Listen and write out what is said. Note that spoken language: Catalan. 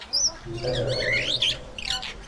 Hi estem d'acord.